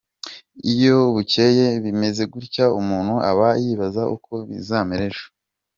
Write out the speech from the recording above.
Iyo bukeye bimeze gutya, umuntu aba yibaza uko bizamera ejo!.